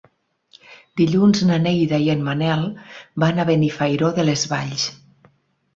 Dilluns na Neida i en Manel van a Benifairó de les Valls.